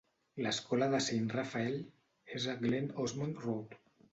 L'escola de Saint Raphael és a Glen Osmond Road.